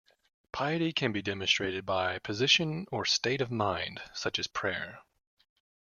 Piety can be demonstrated by position or state of mind, such as prayer.